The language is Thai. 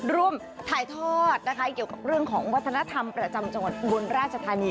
ร่วมถ่ายทอดนะคะเกี่ยวกับเรื่องของวัฒนธรรมประจำจังหวัดอุบลราชธานี